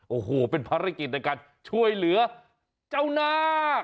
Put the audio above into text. โอ้โหเป็นภารกิจในการช่วยเหลือเจ้านาค